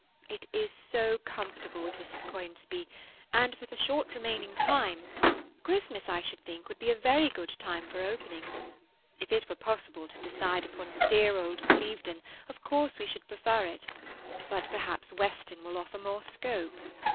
It is so comfortable with Mrs. Conisbee, and for the short remaining time—Christmas, I should think, would be a very good time for opening. If it were possible to decide upon dear old Clevedon, of course we should prefer it; but perhaps Weston will offer more scope.